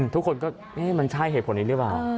ทุกคนก็เอ๊ะมันใช่เหตุผลนี้หรือเปล่า